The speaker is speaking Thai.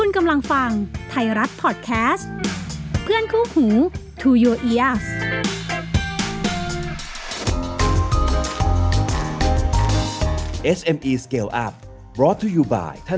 สวัสดีครับ